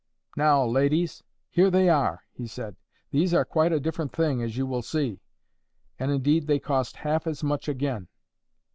"Now, ladies, here they are!" he said. "These are quite a different thing, as you will see; and, indeed, they cost half as much again."